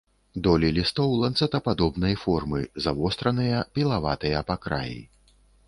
Долі лістоў ланцэтападобнай формы, завостраныя, пілаватыя па краі.